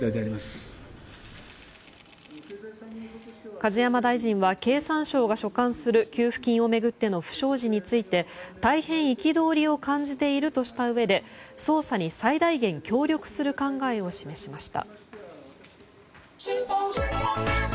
梶山大臣は経産省が所管する給付金の不祥事について、大変憤りを感じているとしたうえで捜査に最大限協力する考えを示しました。